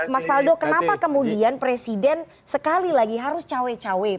mas faldo kenapa kemudian presiden sekali lagi harus cawe cawe